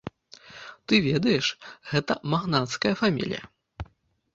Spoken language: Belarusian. Ты ведаеш, гэта магнацкая фамілія.